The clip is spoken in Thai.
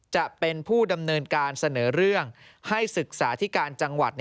จะเป็นผู้ดำเนินการเสนอเรื่องให้ศึกษาธิการจังหวัด